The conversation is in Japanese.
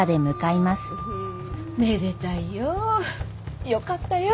めでたいよ。よかったよ！